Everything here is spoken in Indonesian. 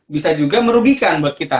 bisa juga merugikan buat kita